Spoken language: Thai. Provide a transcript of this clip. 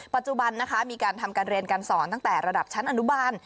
ปัจจุบันนะคะมีการทำการเรียนการสอนตั้งแต่ระดับชั้นอนุบาล